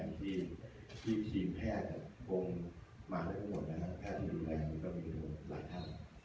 ทีมแพทย์กับกรมมาได้ทั้งหมดนะครับแพทย์ที่ดูแลก็มีหลายท่าน